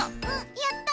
やった！